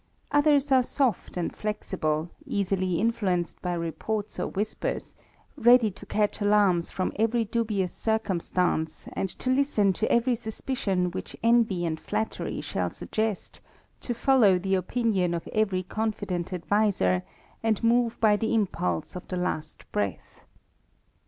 Others are soft and flexible, easily influenced by reports or whispers, ready to catch alarms from every dubious circumstance, and to Lsten to every suspicion which envy and flattery shall suggest, to follow the opinion of every confident adviser, and move by the impulse of the last breath.